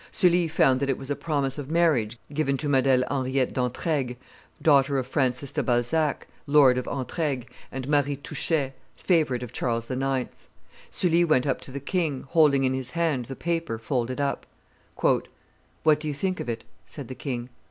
Sully found that it was a promise of marriage given to Mdlle. Henriette d'Entraigues, daughter of Francis de Balzac, Lord of Entraigues, and Marie Touchet, favorite of Charles IX. Sully went up to the king, holding in his hand the paper folded up. "What do you think of it?" said the king.